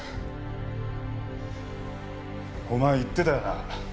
お前言ってたよな